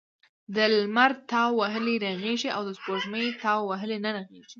د لمر تاو وهلی رغیږي او دسپوږمۍ تاو وهلی نه رغیږی .